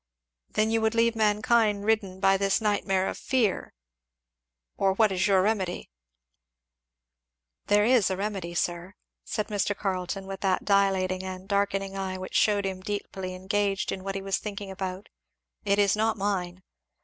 "Then you would leave mankind ridden by this nightmare of fear? or what is your remedy?" "There is a remedy, sir," said Mr. Carleton, with that dilating and darkening eye which shewed him deeply engaged in what he was thinking about; "it is not mine.